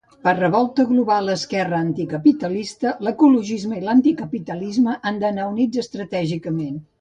Per Revolta Global-Esquerra Anticapitalista, l'ecologisme i l'anticapitalisme han d'anar units estratègicament.